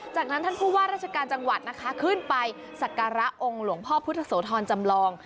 จากนั้นท่านผู้ว่าราชการจังหวัดนะคะขึ้นไปสักการะองค์หลวงพ่อพุทธโสธรจำลอง